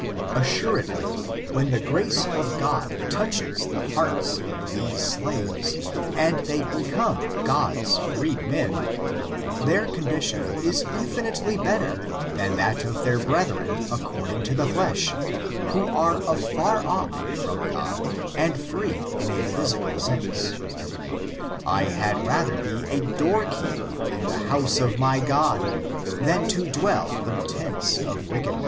Assuredly, when the grace of God touches the hearts of these slaves, and they become God's freed* men, their condition is infinitely better than that of their brethren according to the flesh, who are afar off from Gody and free in a physical sense. "I had rather be a door keeper in the house of my God, than to dwell in tents of wickedness."